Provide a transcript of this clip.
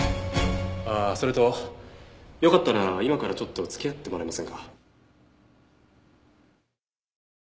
ああそれとよかったら今からちょっと付き合ってもらえませんか？